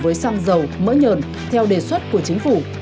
với xăng dầu mỡ nhờn theo đề xuất của chính phủ